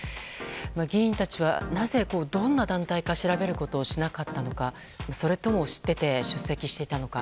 議員たちは、なぜどんな団体か調べることをしなかったのかそれとも知ってて出席していたのか。